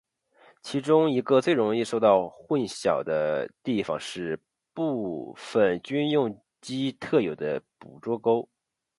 其中一个最容易受到混淆的地方是部份军用机特有的捕捉勾。